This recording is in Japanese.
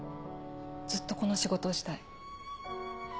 ずっとこの仕事をしたい。